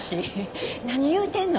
何言うてんの。